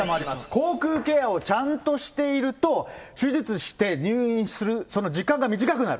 口腔ケアをちゃんとしていると、手術して入院する、その時間が短くなる。